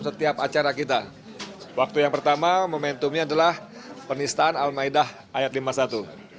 setiap acara kita waktu yang pertama momentumnya adalah penistaan al maidah ⁇ ayat lima puluh satu